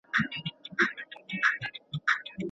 د جرګي په پای کي به ټولو د هیواد د سوکالۍ هيلي لرلي.